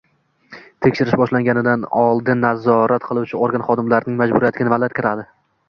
Tekshirish boshlanishidan oldin Nazorat qiluvchi organ xodimlarining majburiyatiga nimalar kiradi?